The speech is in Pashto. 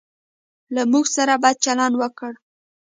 له موږ سره بد چلند وکړ.